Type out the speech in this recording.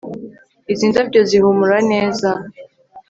Izi ndabyo zihumura neza